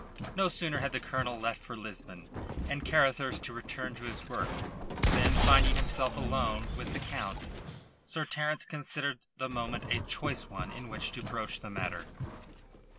No sooner had the colonel left for Lisbon, and Carruthers to return to his work, than, finding himself alone with the Count, Sir Terence considered the moment a choice one in which to broach the matter.